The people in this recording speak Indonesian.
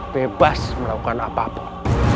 bebas melakukan apapun